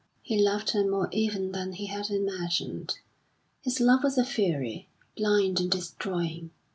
He loved her more even than he had imagined; his love was a fury, blind and destroying.